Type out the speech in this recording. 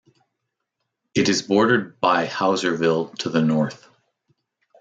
It is bordered by Houserville to the north.